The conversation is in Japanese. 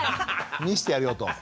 見してやるよと。